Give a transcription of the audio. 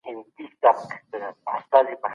تاسو په تفریح کولو مصروفه یاست.